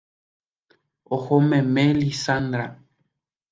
Ohomeme Lizandra